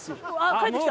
戻ってきた